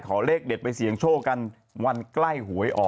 เลขเด็ดไปเสี่ยงโชคกันวันใกล้หวยออก